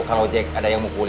kalo cek ada yang mukulin